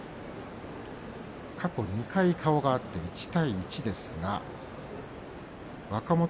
過去２回顔が合って１対１ですが若元